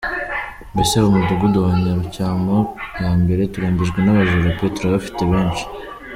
Mbese mu Mudugudu wa Nyarucyamo ya Mbere turembejwe n’abajura pe! Turabafite benshi.